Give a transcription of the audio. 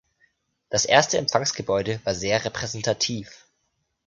Das erste Empfangsgebäude war sehr repräsentativ.